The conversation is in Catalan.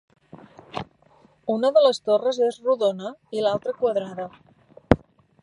Una de les torres és rodona i l'altra quadrada.